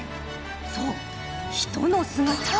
そう、人の姿。